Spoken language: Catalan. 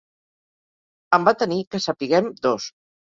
En va tenir, que sapiguem, dos: